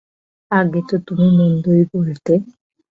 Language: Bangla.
আগে তো তুমি মন্দই বলতে!